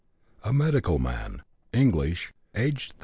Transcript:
A medical man, English, aged 30.